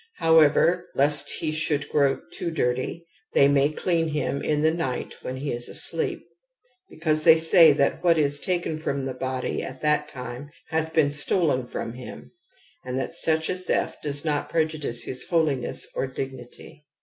However, lest he should grow too dirty, they may clean him in the night when he is asleep'; because they say that what is taken from his body at that time, hath been stolen from him, and that such a theft does not prejudice his holiness or dignity.